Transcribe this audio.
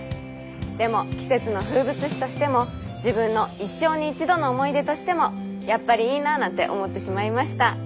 でも季節の風物詩としても自分の一生に一度の思い出としてもやっぱりいいななんて思ってしまいました。